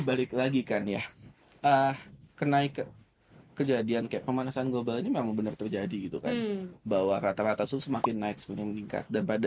balik lagi kan ya ah kenaik ke kejadian ke pemanasan global ini memang benar terjadi itu bahwa rata rata semakin naik sepenuhnya meningkat dan pada saat itu juga masih panas juga